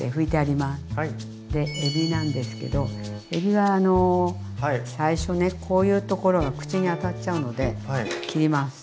でえびなんですけどえびは最初ねこういうところが口に当たっちゃうので切ります。